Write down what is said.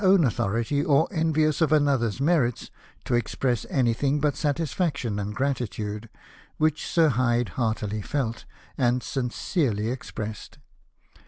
own authority, or envious of another's merits, to ex press anything but satisfaction and gratitude, which Sir Hyde heartily felt, and sincerely expressed.